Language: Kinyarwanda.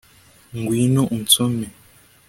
Ngwino unsome